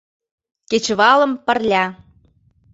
Кечывалым пырля